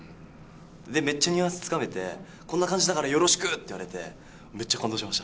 で、めっちゃニュアンスつかめて、こんな感じだからよろしくって言われて、めっちゃ感動しました。